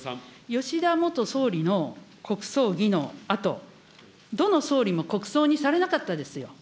吉田元総理の国葬儀のあと、どの総理も国葬にされなかったですよ。